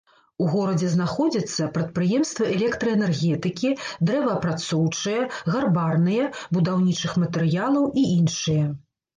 У горадзе знаходзяцца прадпрыемствы электраэнергетыкі, дрэваапрацоўчыя, гарбарныя, будаўнічых матэрыялаў і іншыя.